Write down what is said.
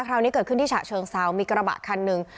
คราวนี้เกิดขึ้นที่ฉะเชิงเซามีกระบะคันหนึ่ง